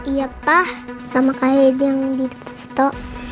iya pak sama kak heidi yang di foto